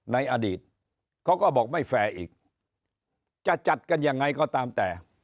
ในอดีตเขาก็บอกไม่แฟร์อีกจะจัดกันยังไงก็ตามแต่